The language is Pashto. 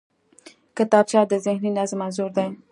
کتابچه د ذهني نظم انځور دی